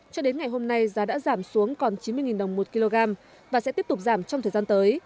cho đến ngày hôm nay giá đã giảm xuống còn chín mươi đồng một kg và sẽ tiếp tục giảm trong thời gian tới